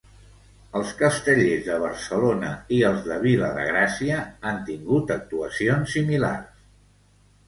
Els Castellers de Barcelona i els de Vila de Gràcia han tingut actuacions similars.